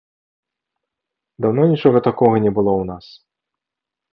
Даўно нічога такога не было ў нас.